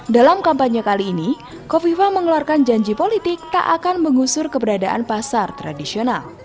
dalam kampanye kali ini kofifa mengeluarkan janji politik tak akan mengusur keberadaan pasar tradisional